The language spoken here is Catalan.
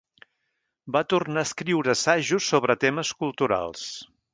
Va tornar a escriure assajos sobre temes culturals.